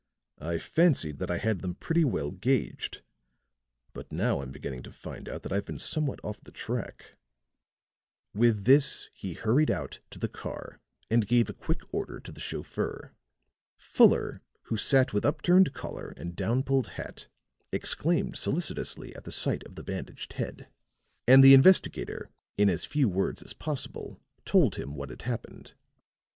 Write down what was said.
I fancied that I had them pretty well gauged; but now I'm beginning to find out that I've been somewhat off the track." With this he hurried out to the car and gave a quick order to the chauffeur. Fuller, who sat with upturned collar and down pulled hat, exclaimed solicitously at the sight of the bandaged head, and the investigator in as few words as possible told him what had happened.